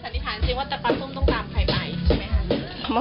ปลาส้มกลับมาถึงบ้านโอ้โหดีใจมาก